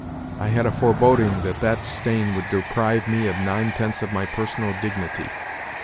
I had a foreboding that that stain would deprive me of nine tenths of my personal dignity.